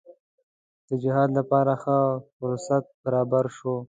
د جهاد لپاره ښه فرصت برابر شو.